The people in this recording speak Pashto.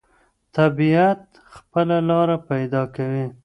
طبیعت خپله لاره پیدا کوي.